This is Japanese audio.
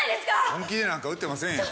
本気でなんか打ってませんよ。